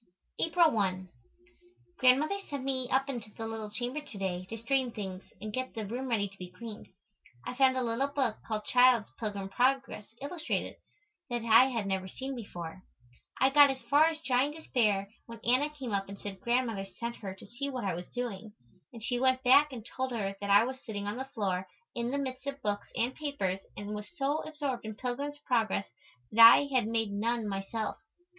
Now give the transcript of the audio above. April 1. Grandmother sent me up into the little chamber to day to straighten things and get the room ready to be cleaned. I found a little book called "Child's Pilgrim Progress, Illustrated," that I had never seen before. I got as far as Giant Despair when Anna came up and said Grandmother sent her to see what I was doing, and she went back and told her that I was sitting on the floor in the midst of books and papers and was so absorbed in "Pilgrim's Progress" that I had made none myself.